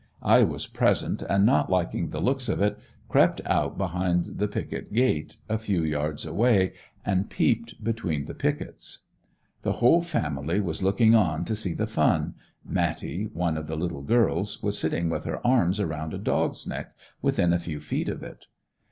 I was present, and not liking the looks of it, crept out behind the picket gate, a few yards away, and peeped between the pickets. The whole family was looking on to see the fun, Mattie, one of the little girls, was sitting with her arms around a dog's neck, within a few feet of it.